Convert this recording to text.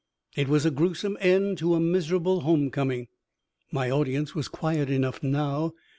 It was a gruesome end to a miserable home coming." My audience was quiet enough now.